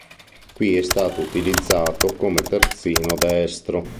Qui è stato utilizzato come terzino destro.